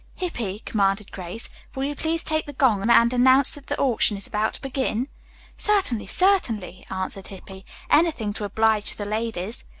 "Hippy," commanded Grace, "will you please take this gong and announce that the auction is about to begin!" "Certainly, certainly," answered Hippy. "Anything to oblige the ladies."